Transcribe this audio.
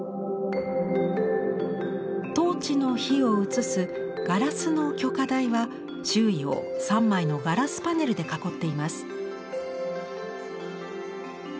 トーチの火を移す「ガラスの炬火台」は周囲を３枚のガラスパネルで囲っています。